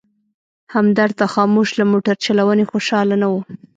همدرد د خاموش له موټر چلونې خوشحاله نه و.